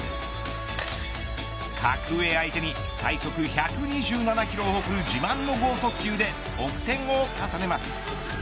格上相手に最速１２７キロを誇る自慢の豪速球で得点を重ねます。